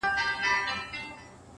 دا خو ډيره گرانه ده ـ